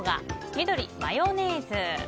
緑、マヨネーズ。